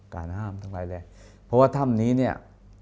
การห้ามทั้งอะไรเลยเพราะว่าถ้ำนี้เนี่ย